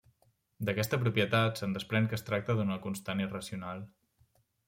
D'aquesta propietat se'n desprèn que es tracta d'una constant irracional.